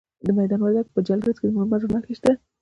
د میدان وردګو په جلریز کې د مرمرو نښې شته.